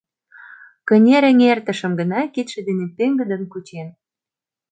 Кынерэҥертышым гына кидше дене пеҥгыдын кучен.